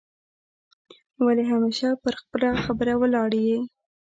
ولي همېشه پر خپله خبره ولاړ یې؟